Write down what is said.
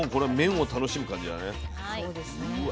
うわ！